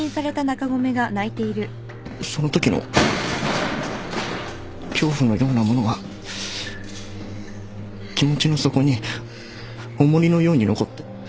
そのときの恐怖のようなものが気持ちの底に重荷のように残って。